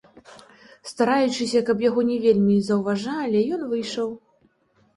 Стараючыся, каб яго не вельмі заўважалі, ён выйшаў.